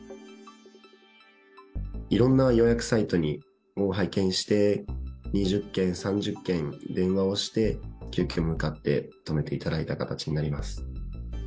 いろんな予約サイトを拝見して、２０件、３０件、電話をして、急きょ、向かって泊めていただいた形になります。